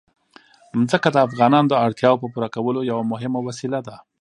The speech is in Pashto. ځمکه د افغانانو د اړتیاوو د پوره کولو یوه مهمه وسیله ده.